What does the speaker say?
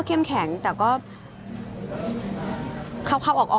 เค็มแข็งนะครับก็เค็มแข็งแต่ก็